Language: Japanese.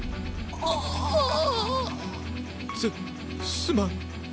すすまん。